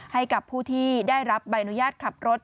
ให้กับผู้ที่ได้รับใบอนุญาตขับรถ